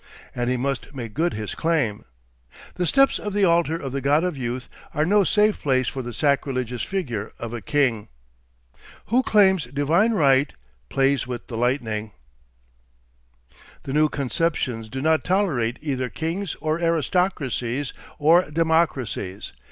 And he must make good his claim. The steps of the altar of the God of Youth are no safe place for the sacrilegious figure of a king. Who claims "divine right" plays with the lightning. The new conceptions do not tolerate either kings or aristocracies or democracies.